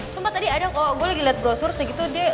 sumpah tadi ada kok gue lagi liat brosur segitu deh